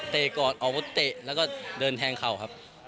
ก่อนออกอาวุธเตะแล้วก็เดินแทงเข่าครับ